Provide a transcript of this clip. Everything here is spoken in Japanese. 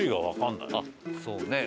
そうね。